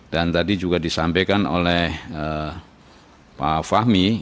dan tadi juga disampaikan oleh pak fahmi